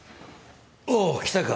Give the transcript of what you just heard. おお来たか。